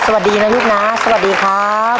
ตอนนี้ยายก็